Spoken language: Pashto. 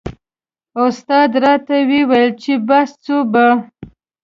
استاد راته و ویل چې بس ځو به.